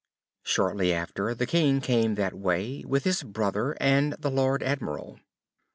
Shortly after, the King came that way, with his brother and the Lord Admiral.